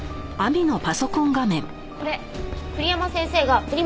これ栗山先生がフリマ